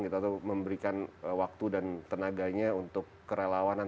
atau memberikan waktu dan tenaganya untuk kerelawanan